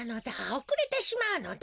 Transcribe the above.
おくれてしまうのだ。